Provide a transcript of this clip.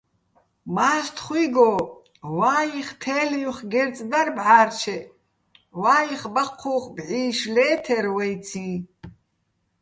მა́სთხუჲგო ვაიხ თე́ლ'ი́ვხ გერწ დარ ბჵა́რჩეჸ, ვაიხ ბაჴჴუ́ხ ბჵი́შ ლე́თერ ვაჲციჼ.